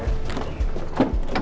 mbak elsa apa yang terjadi